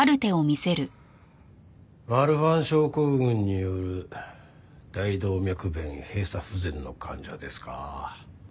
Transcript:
マルファン症候群による大動脈弁閉鎖不全の患者ですか？